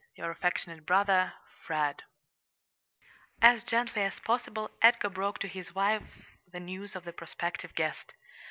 Your affectionate brother FRED As gently as possible Edgar broke to his wife the news of the prospective guest.